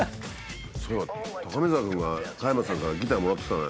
そういえば高見沢君が加山さんからギターもらってたね。